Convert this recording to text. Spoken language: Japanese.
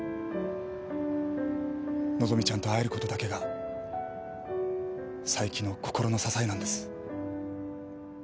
和希ちゃんと会えることだけが佐伯の心の支えなんです。